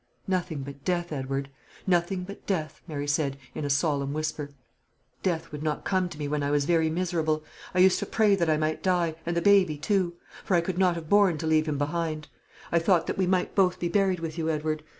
"Nothing but death, Edward; nothing but death," Mary said, in a solemn whisper. "Death would not come to me when I was very miserable. I used to pray that I might die, and the baby too; for I could not have borne to leave him behind. I thought that we might both be buried with you, Edward.